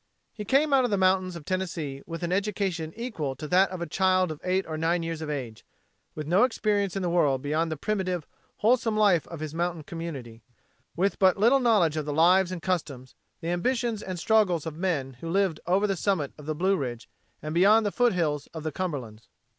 He came out of the mountains of Tennessee with an education equal to that of a child of eight or nine years of age, with no experience in the world beyond the primitive, wholesome life of his mountain community, with but little knowledge of the lives and customs, the ambitions and struggles of men who lived over the summit of the Blue Ridge and beyond the foot hills of the Cumberlands.